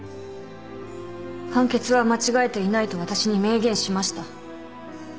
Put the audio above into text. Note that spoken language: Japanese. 判決は間違えていないと私に明言しました。